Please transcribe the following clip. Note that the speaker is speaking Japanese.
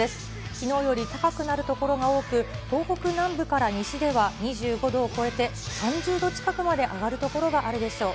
きのうより高くなる所が多く、東北南部から西では、２５度を超えて３０度近くまで上がる所があるでしょう。